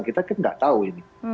kita tidak tahu ini